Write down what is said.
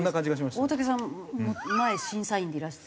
大竹さん前審査員でいらして。